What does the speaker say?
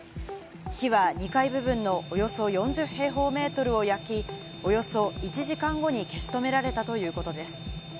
火は２階部分のおよそ４０平方メートルを焼き、およそ１時間後に消し止められたということです。